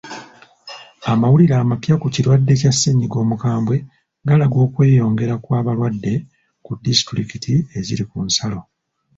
Amawulira amapya ku kirwadde kya ssennyiga omukambwe galaga okweyongera kw'abalwadde ku disitulikiti eziri ku nsalo.